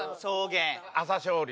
朝青龍。